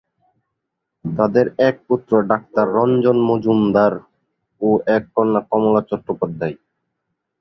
তাদের এক পুত্র ডাক্তার রঞ্জন মজুমদার ও এক কন্যা কমলা চট্টোপাধ্যায়।